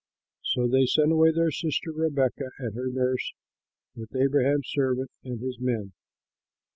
So they sent away their sister Rebekah and her nurse with Abraham's servant and his men.